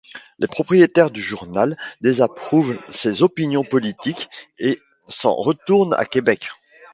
Les propriétaires du journal désapprouvent ses opinions politiques et il s'en retourne à Québec.